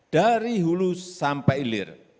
dari hulu sampai hilir